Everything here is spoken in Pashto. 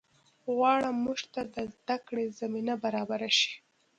غواړم مونږ ته د زده کړې زمینه برابره شي